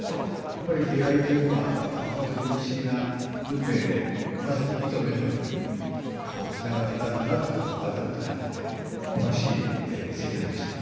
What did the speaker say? やっぱり出会いというかほんとに不思議な運命でまさに糸のようにつながっていたんだなってことを改めて感じて楽しい制作でした。